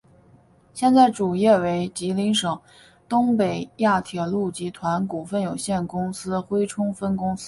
现在业主为吉林省东北亚铁路集团股份有限公司珲春分公司。